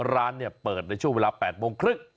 ร้านเนี่ยเปิดในช่วงเวลา๘โมงครึ่ง